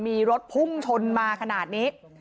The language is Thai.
มีรถพุ่งชนมาขนาดนี้